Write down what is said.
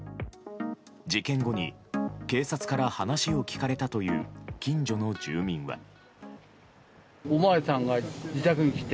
事件後に、警察から話を聞かれたという近所の住民は。